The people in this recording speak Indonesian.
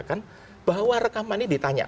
kan bahwa rekaman ini ditanya